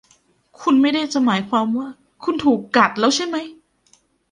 คุณไม่ได้จะหมายความว่าคุณถูกกัดแล้วใช่มั้ย ?